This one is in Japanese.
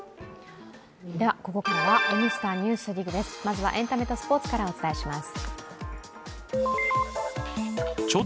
ここからは「Ｎスタ・ＮＥＷＳＤＩＧ」です、まずはエンタメとスポーツからお伝えします。